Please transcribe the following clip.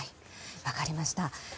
分かりました。